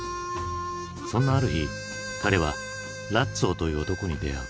そんなある日彼はラッツォという男に出会う。